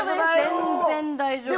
全然大丈夫です。